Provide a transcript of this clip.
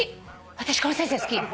私この先生好き！